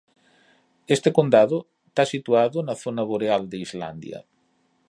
Este condado está situado na zona boreal de Islandia.